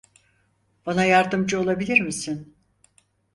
Bana yardımcı olabilir misin?